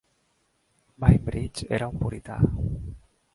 Bainbridge era un purità.